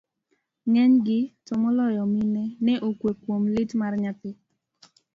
ng'enygi, to moloyo mine ne okwe kuom lit mar nyathi